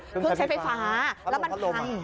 เครื่องใช้ไฟฟ้าแล้วมันพัง